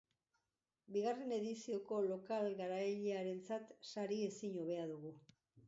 Bigarren edizioko lokal garailearentzat sari ezin hobea dugu.